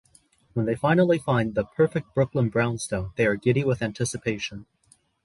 When they finally find the perfect Brooklyn brownstone, they are giddy with anticipation.